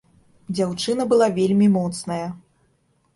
Дзяўчына была вельмі моцная!